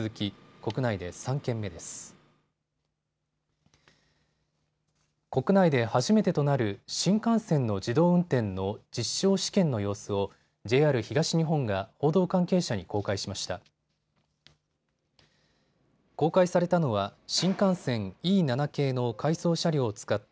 国内で初めてとなる新幹線の自動運転の実証試験の様子をＪＲ東日本が報道関係者に公開しました。